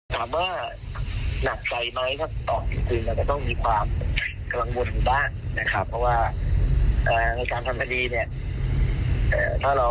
ตามที่ประกอบเป็นข่าวนะครับมันก็อาจจะต้องมีการ